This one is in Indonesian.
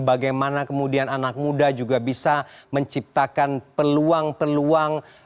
bagaimana kemudian anak muda juga bisa menciptakan peluang peluang